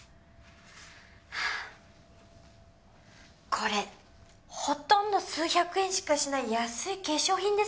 これほとんど数百円しかしない安い化粧品ですよ。